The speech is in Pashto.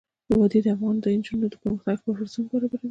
وادي د افغان نجونو د پرمختګ لپاره فرصتونه برابروي.